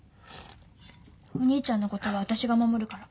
お兄ちゃんのことはわたしが守るから。